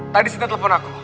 tadi sinta telepon aku